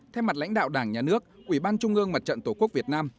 theo mặt lãnh đạo đảng nhà nước ủy ban trung ương mặt trận tổ quốc việt nam